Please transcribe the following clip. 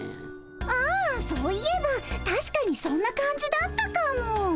ああそういえばたしかにそんな感じだったかも。